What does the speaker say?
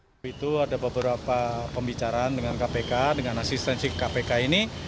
waktu itu ada beberapa pembicaraan dengan kpk dengan asistensi kpk ini